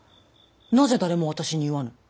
なぜ誰も私に言わぬ？